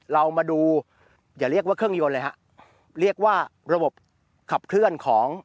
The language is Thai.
เรามาดูอย่าเรียกว่าเครื่องยนต์เลยฮะเรียกว่าระบบขับเคลื่อนของ